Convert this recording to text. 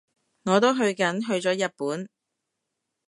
我都去緊，去咗日本